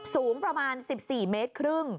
สูงประมาณ๑๔๕เมตร